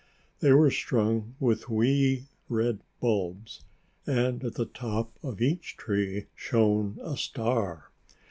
They were strung with wee red bulbs, and at the top of each tree shone a star.